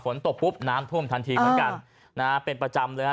ฝนตกปุ๊บน้ำท่วมทันทีเหมือนกันนะฮะเป็นประจำเลยฮะ